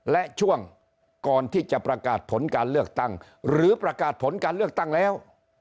และช่วงก่อนที่จะประกาศผลการเลือกตั้งหรือประกาศผลการเลือกตั้งแล้ว